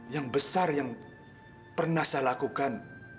yang besar yang pernah saya lakukan